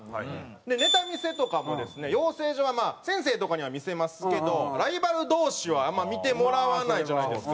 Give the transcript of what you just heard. ネタ見せとかもですね養成所はまあ先生とかには見せますけどライバル同士はあんまり見てもらわないじゃないですか。